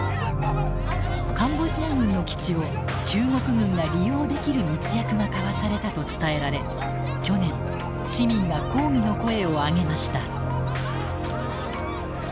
カンボジア軍の基地を中国軍が利用できる密約が交わされたと伝えられ去年市民が抗議の声を上げました。